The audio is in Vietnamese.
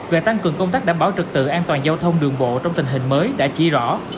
về tăng cường công tác đảm bảo trực tự an toàn giao thông đường bộ trong tình hình mới đã chỉ rõ